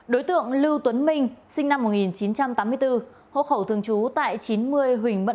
đối tượng lưu tuấn minh sinh năm một nghìn chín trăm tám mươi bốn hộ khẩu thường trú tại chín mươi huỳnh mận